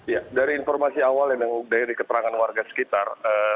ya dari informasi awal yang dari keterangan warga sekitar